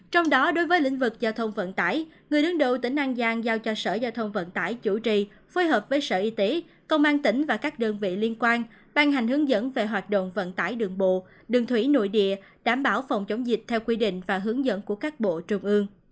trong đó đối với lĩnh vực giao thông vận tải người đứng đầu tỉnh an giang giao cho sở giao thông vận tải chủ trì phối hợp với sở y tế công an tỉnh và các đơn vị liên quan ban hành hướng dẫn về hoạt động vận tải đường bộ đường thủy nội địa đảm bảo phòng chống dịch theo quy định và hướng dẫn của các bộ trung ương